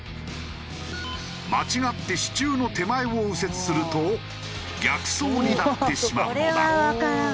間違って支柱の手前を右折すると逆走になってしまうのだ。